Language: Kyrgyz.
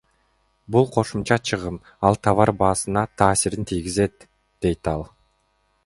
Бул кошумча чыгым, ал товар баасына таасирин тийгизет, — дейт ал.